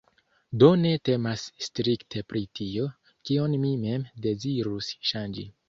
Do ne temas strikte pri tio, kion mi mem dezirus ŝanĝi.